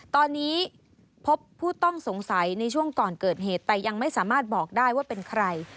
ตอนนี้พบผู้ต้องสงสัยในช่วงก่อนเกิดเหตุแต่ยังไม่สามารถบอกได้ว่าเป็นใคร